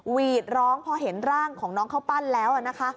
หวีดร้องพอเห็นร่างของน้องข้าวปั้นแล้วนะคะ